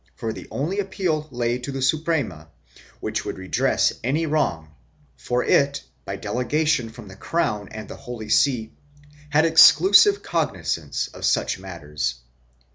342 RELATIONS WITH THE GROWN [BOOK II for the only appeal lay to the Suprema, which would redress any wrong, for it, by delegation from the crown and the Holy See, had exclusive cognizance of such matters.